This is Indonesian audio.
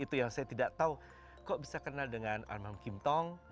itu yang saya tidak tahu kok bisa kenal dengan armam kim tong